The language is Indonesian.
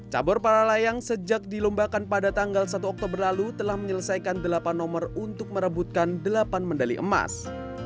cabur para layang sejak dilombakan pada tanggal satu oktober lalu telah menyelesaikan delapan nomor untuk merebutkan delapan medali emas